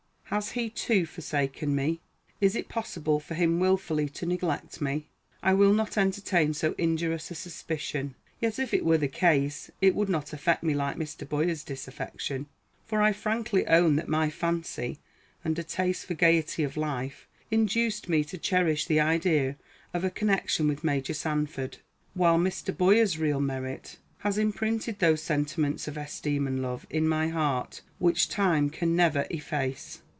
Has he, too, forsaken me? Is it possible for him wilfully to neglect me? I will not entertain so injurious a suspicion. Yet, if it were the case, it would not affect me like Mr. Boyer's disaffection; for I frankly own that my fancy, and a taste for gayety of life, induced me to cherish the idea of a connection with Major Sanford; while Mr. Boyer's real merit has imprinted those sentiments of esteem and love in my heart which time can never efface.